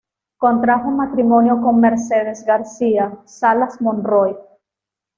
Contrajo matrimonio con Mercedes García-Salas Monroy.